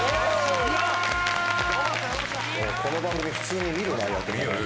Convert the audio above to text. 俺この番組普通に見るなやってたら。